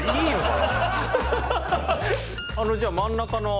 あのじゃあ真ん中の緑のやつ。